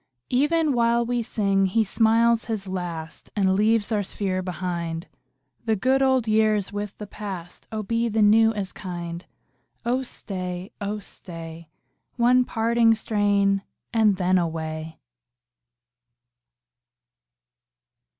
37 Even while we sing he smiles his last And leaves our sphere behind. The good old year is with the past ; Oh be the new as kind ! Oh staj, oh stay, One parting strain, and then away.